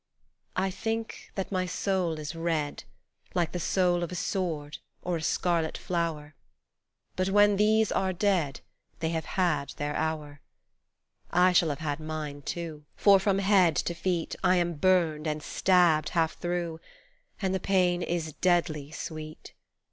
I think that my soul is red Like the soul of a sword or a scarlet flower : But when these are dead They have had their hour. I shall have had mine, too, For from head to feet, I am burned and stabbed half through, And the pain is deadly sweet.